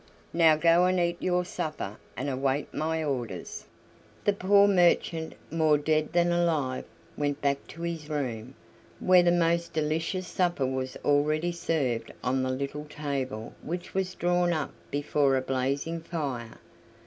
"Now go and eat your supper, and await my orders." The poor merchant, more dead than alive, went back to his room, where the most delicious supper was already served on the little table which was drawn up before a blazing fire.